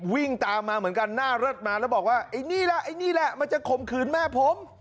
วิ่งตามมาเหมือนกันหน้ารถมาแล้วบอกว่าไอ้นี่แหละไอ้นี่แหละมันจะข่มขืนแม่ผม